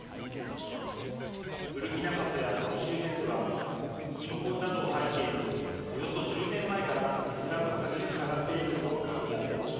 ブルキナファソやその周辺では貧困などを背景におよそ１０年前からイスラム過激派が勢力を拡大。